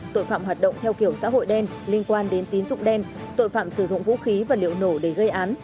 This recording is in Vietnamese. tội phạm hoạt động theo kiểu xã hội đen liên quan đến tín dụng đen tội phạm sử dụng vũ khí và liệu nổ để gây án